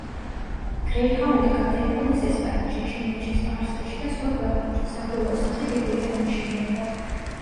გრეიჰაუნდი გადაიყვანეს ესპანეთში, ჩინეთში, სპარსეთში, და სხვა ქვეყნებში, საბოლოო სახე დიდ ბრიტანეთში მიიღო.